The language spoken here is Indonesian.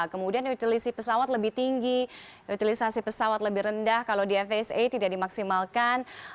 kemudian utilisi pesawat lebih tinggi utilisasi pesawat lebih rendah kalau di fsa tidak dimaksimalkan